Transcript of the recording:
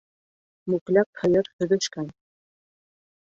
Мүкләк һыйыр һөҙөшкән